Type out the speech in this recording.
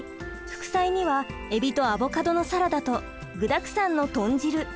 副菜にはエビとアボカドのサラダと具だくさんの豚汁。